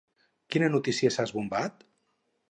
Quina notícia s'ha esbombat?